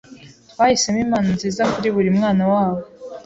Twahisemo impano nziza kuri buri mwana wabo.